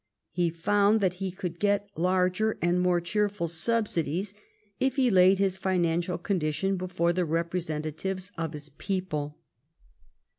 He found that he could get larger and more cheerful subsidies if he laid his financial condition before the representatives of his people.